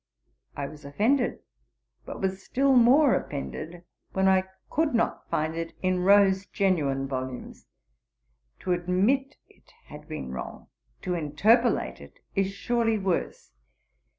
I was offended, but was still more offended when I could not find it in Rowe's genuine volumes. To admit it had been wrong; to interpolate it is surely worse.